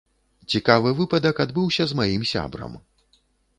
Цікавы выпадак адбыўся з маім сябрам.